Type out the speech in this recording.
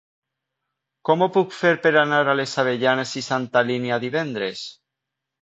Com ho puc fer per anar a les Avellanes i Santa Linya divendres?